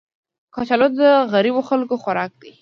کچالو د غریبو خلکو خوراک دی